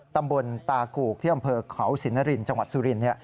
ตำบลตากูกที่อำเภอเขาสินนรินจังหวัดสุรินทร์